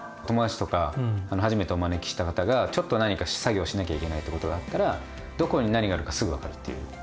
友達とか初めてお招きした方がちょっと何か作業しなきゃいけないってことがあったらどこに何があるかすぐ分かるっていう。